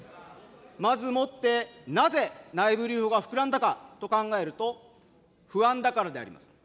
まずもって、なぜ内部留保が膨らんだかと考えると、不安だからであります。